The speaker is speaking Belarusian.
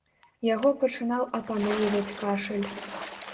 Яго пачынаў апаноўваць кашаль.